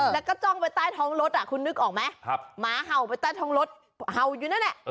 แล้วก็จ้องไปใต้ท้องรถคุณนึกออกไหมหมาเห่าไปใต้ท้องรถเห่าอยู่นั่นแหละ